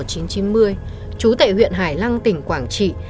trú tại huyện hải lăng tỉnh quảng trị